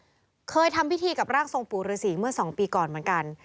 เคยทำพิธีกับร่างทรงปู่ฤษีเมื่อสองปีก่อนเหมือนกัน